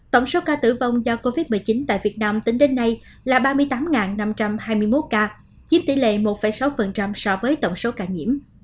tổng số ca tử vong do covid một mươi chín tại việt nam tính đến nay là ba mươi tám năm trăm hai mươi một ca chiếm tỷ lệ một sáu so với tổng số ca nhiễm